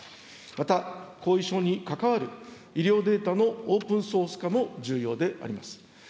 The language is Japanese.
また、後遺症に関わる医療データのオープンソース化も重要であります。